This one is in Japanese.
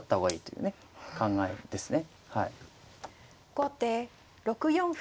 後手６四歩。